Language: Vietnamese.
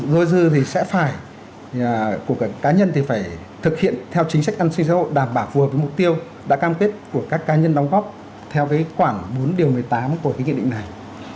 dô dư thì sẽ phải của các cá nhân thì phải thực hiện theo chính sách an sinh xã hội đảm bảo vừa với mục tiêu đã cam kết của các cá nhân đóng góp theo cái quản bốn điều một mươi tám của cái nghị định này